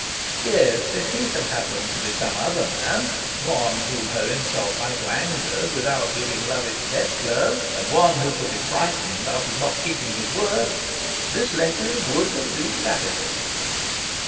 Yes, if he had happened to be some other man one whom her insult might have angered without giving love its death blow, and one who could be frightened out of not keeping his word this letter would have been capital.